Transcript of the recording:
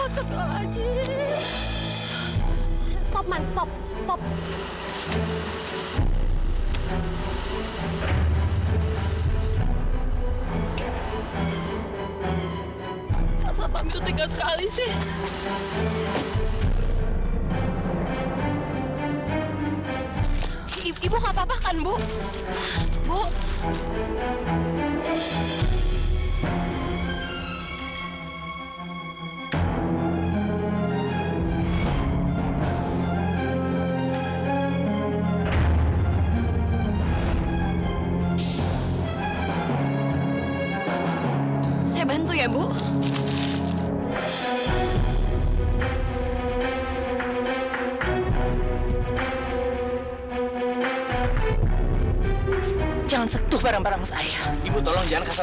sampai jumpa di video selanjutnya